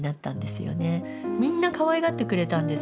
みんなかわいがってくれたんです